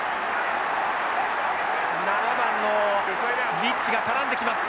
７番のリッチが絡んできます。